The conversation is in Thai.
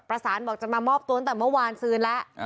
ประสานบอกจะมามอบตัวตั้งแต่เมื่อวานซืนแล้ว